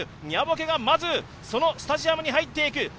ニャボケがまずそのスタジアムに入っていく。